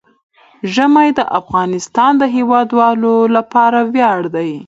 ژمی د افغانستان د هیوادوالو لپاره ویاړ دی.